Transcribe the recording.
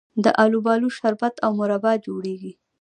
د الوبالو شربت او مربا جوړیږي.